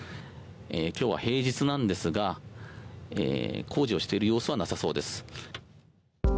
今日は平日なんですが工事をしている様子はなさそうです。